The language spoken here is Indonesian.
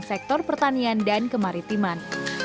sektor pertanian dan kemaritiman